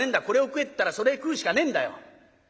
これを食えったらそれ食うしかねえんだよ。